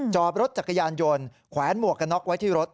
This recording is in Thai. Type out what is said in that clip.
จอบรถจักรยานยนต์แขวนหมวกกันน็อกไว้ที่รถ